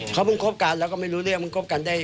เขาให้การประมาณได้คบกันได้๑๐วัน